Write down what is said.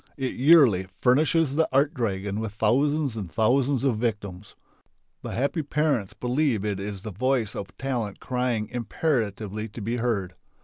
It yearly furnishes the art dragon with thousands and thousands of victims. The happy parents believe it is the voice of talent crying imperatively to be heard.